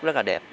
rất là đẹp